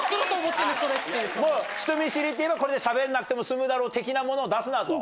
人見知りって言えばこれでしゃべんなくても済むだろ的なものを出すなと。